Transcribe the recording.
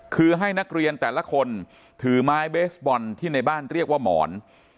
คือให้นักเรียนแต่ละคนถือไม้เบสบอลที่ในบ้านเรียกว่าหมอน